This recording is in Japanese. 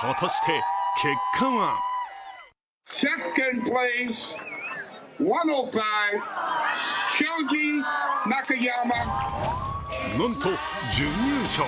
果たして結果はなんと準優勝！